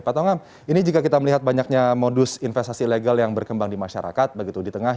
pak tongam ini jika kita melihat banyaknya modus investasi ilegal yang berkembang di masyarakat begitu di tengah